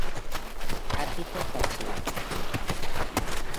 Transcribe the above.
Akito Tachibana